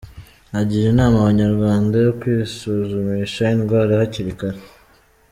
Agira inama Abanyarwanda yo kwisuzumisha indwara hakiri kare.